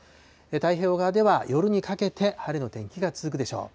太平洋側では夜にかけて晴れの天気が続くでしょう。